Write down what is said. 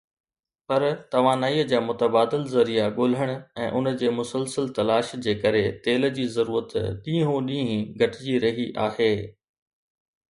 پر توانائيءَ جا متبادل ذريعا ڳولڻ ۽ ان جي مسلسل تلاش جي ڪري تيل جي ضرورت ڏينهون ڏينهن گهٽجي رهي آهي.